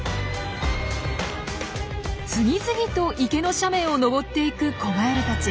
次々と池の斜面を登っていく子ガエルたち。